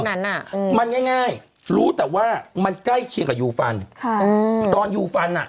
นั้นอ่ะอืมมันง่ายง่ายรู้แต่ว่ามันใกล้เคียงกับยูฟันค่ะอืมตอนยูฟันอ่ะ